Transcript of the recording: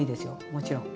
もちろん。